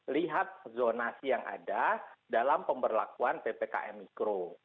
lihat zonasi yang ada dalam pemberlakuan ppkm mikro